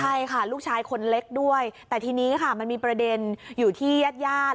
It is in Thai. ใช่ค่ะลูกชายคนเล็กด้วยแต่ทีนี้ค่ะมันมีประเด็นอยู่ที่ญาติญาติ